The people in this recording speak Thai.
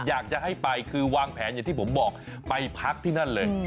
อยากจะให้ไปคือวางแผนอย่างที่ผมบอกไปพักที่นั่นเลย